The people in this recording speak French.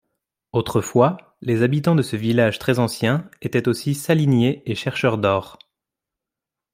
Autrefois les habitants de ce village très ancien étaient aussi saliniers et chercheurs d'or.